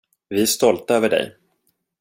Vi är stolta över dig.